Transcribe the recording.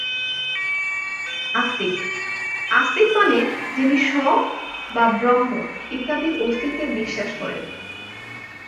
আস্তিক: আস্তিক মানে যিনি স্ব বা ব্রহ্ম ইত্যাদির অস্তিত্বে বিশ্বাস করেন।